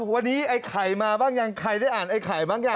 วันนี้ไอ้ไข่มาบ้างยังใครได้อ่านไอ้ไข่บ้างยัง